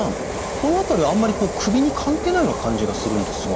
この辺りはあんまり首に関係ないような感じがするんですが。